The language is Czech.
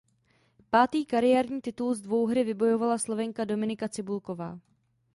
Pátý kariérní titul z dvouhry vybojovala Slovenka Dominika Cibulková.